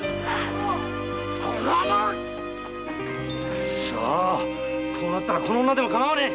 くそこうなったらこの女でもかまわねえ！